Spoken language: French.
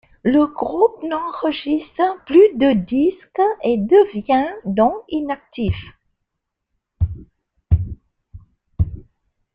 Le groupe n’enregistre plus de disques et devient donc inactif.